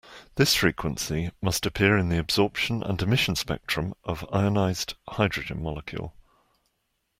This frequency must appear in the absorption and emission spectrum of ionized hydrogen molecule.